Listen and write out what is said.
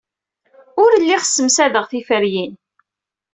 Ur lliɣ ssemsadeɣ tiferyin.